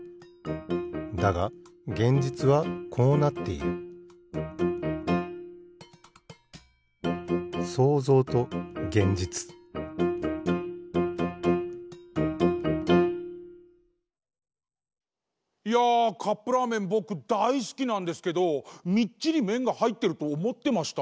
だが現実はこうなっているいやカップラーメンぼくだいすきなんですけどみっちりめんがはいってるとおもってました。